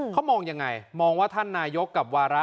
เขามองยังไงมองว่าท่านนายกกับวาระ